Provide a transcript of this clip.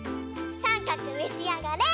さんかくめしあがれ！